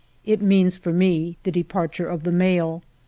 It means for me the departure of the mail.